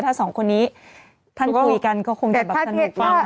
ถ้าสองคนนี้ท่านคุยกันก็คงจะสนุกแล้วค่ะ